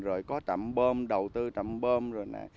rồi có trạm bơm đầu tư trạm bơm rồi nè